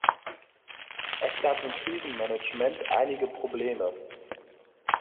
Es gab im Krisenmanagement einige Probleme.